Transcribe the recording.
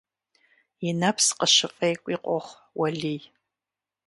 И нэпс къыщыфӀекӀуи къохъу Уэлий.